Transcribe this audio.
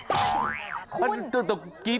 ไม่ใช่